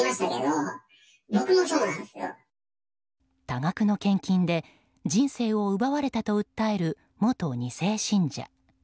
多額の献金で人生を奪われたと訴える元２世信者。